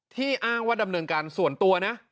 อ้างว่าดำเนินการส่วนตัวนะ